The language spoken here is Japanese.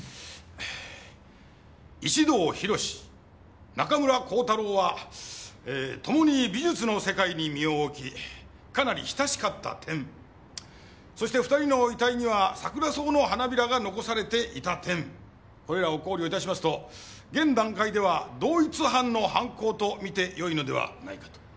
石堂浩中村光太郎はともに美術の世界に身を置きかなり親しかった点そして２人の遺体にはサクラソウの花びらが残されていた点これらを考慮致しますと現段階では同一犯の犯行と見てよいのではないかと。